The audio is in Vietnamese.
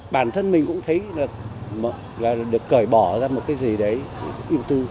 bản thân mình cũng thấy được là được cởi bỏ ra một cái gì đấy yêu tư